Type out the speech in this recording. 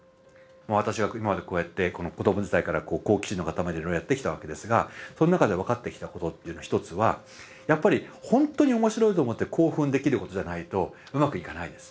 私が今までこうやって子ども時代から好奇心の塊でいろいろやってきたわけですがその中で分かってきたことっていうのは一つはやっぱりほんとに面白いと思って興奮できることじゃないとうまくいかないです。